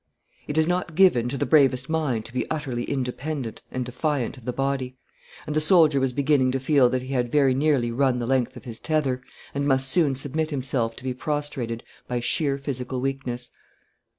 It is not given to the bravest mind to be utterly independent and defiant of the body; and the soldier was beginning to feel that he had very nearly run the length of his tether, and must soon submit himself to be prostrated by sheer physical weakness.